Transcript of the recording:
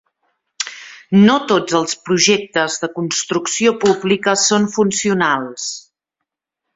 No tots els projectes de construcció pública són funcionals.